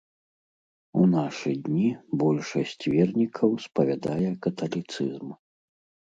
У нашы дні большасць вернікаў спавядае каталіцызм.